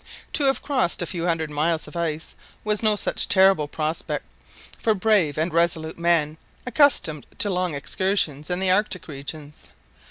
To have to cross a few hundred miles of ice was no such terrible prospect for brave and resolute men accustomed to long excursions in the Arctic regions.